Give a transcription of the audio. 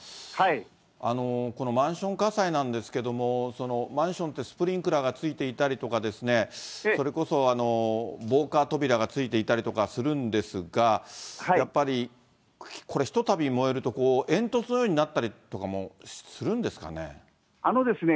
このマンション火災なんですけれども、マンションって、スプリンクラーがついていたりとかですね、それこそ防火扉がついていたりとかするんですが、やっぱりこれ、ひとたび燃えると煙突のようになったりとかもするんですかね。